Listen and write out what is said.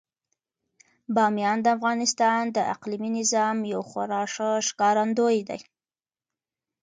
بامیان د افغانستان د اقلیمي نظام یو خورا ښه ښکارندوی دی.